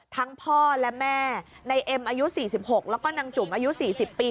พ่อและแม่นายเอ็มอายุ๔๖แล้วก็นางจุ๋มอายุ๔๐ปี